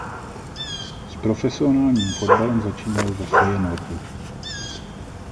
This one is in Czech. S profesionálním fotbalem začínal ve Feyenoordu.